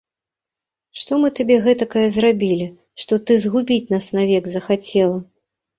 Што мы табе гэтакае зрабілі, што ты згубіць нас навек захацела!